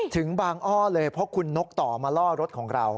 ถึงบางอ้อเลยเพราะคุณนกต่อมาล่อรถของเรา